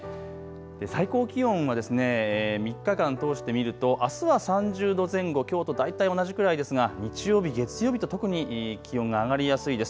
最高気温は３日間通して見るとあすは３０度前後、きょうと大体同じくらいですが日曜日、月曜日と特に気温が上がりやすいです。